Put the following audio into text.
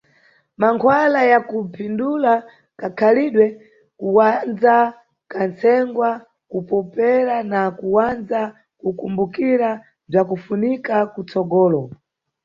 Mankhwala ya kuphindula kakhalidwe: kuwandza kantsengwa, kupopera na kuwandza kukumbukira bzwakufunika kutsogolo.